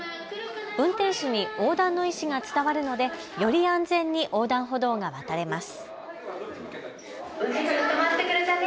運転手に横断の意思が伝わるのでより安全に横断歩道が渡れます。